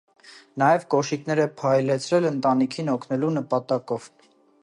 Նաև կոշիկներ է փայլեցրել ընտանիքին օգնելու նպատակով։